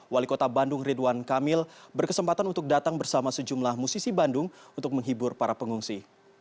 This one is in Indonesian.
wali kota bandung ridwan kamil berkesempatan untuk datang bersama sejumlah musisi bandung untuk menghibur para pengungsi